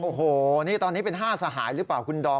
โอ้โหนี่ตอนนี้เป็น๕สหายหรือเปล่าคุณดอม